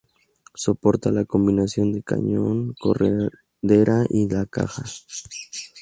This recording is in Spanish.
Soporta la combinación de cañón, corredera y la caja.